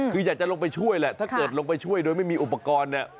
คืออยากจะลงไปช่วยแหละถ้าเกิดลงไปช่วยโดยไม่มีอุปกรณ์เนี่ย